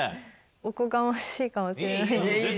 おこがましいかもしれないですけど。